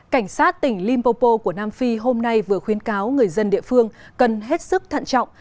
cảnh sát tỉnh limpopo của nam phi hôm nay vừa khuyến cáo người dân địa phương cần hết sức thận trọng